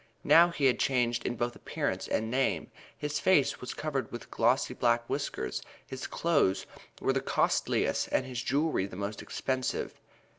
Now he had changed in both appearance and name. His face was covered with glossy black whiskers, his clothes were the costliest and his jewelry the most expensive.